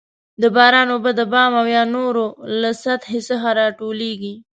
د باران اوبه د بام او یا نورو له سطحې څخه راټولیږي.